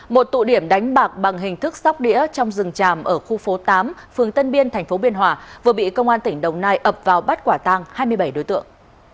một tụ điểm đánh bạc bằng hình thức sóc đĩa trong rừng tràm ở khu phố tám phường tân biên tp biên hòa vừa bị công an tỉnh đồng nai ập vào bắt quả tang hai mươi bảy đối tượng